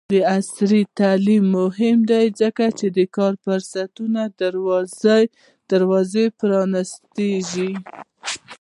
عصري تعلیم مهم دی ځکه چې د کاري فرصتونو دروازې پرانیزي.